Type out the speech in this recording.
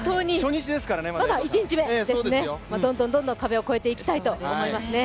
まだ１日目ですからね、どんどん壁を越えていきたいと思いますね。